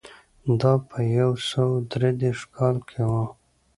دا په یو سوه درې دېرش کال کې و